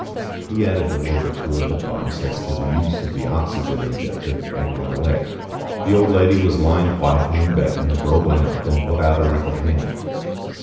He added a word or two of advice as to the use of the oxygen injector, and went away. The old lady was lying quietly in bed, when the girl went up, and put out a wrinkled hand.